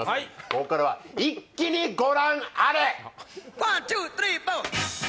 ここからは一気にご覧あれ！